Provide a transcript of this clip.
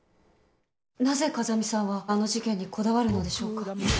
なぜ、風見さんはあの事件にこだわるのでしょうか。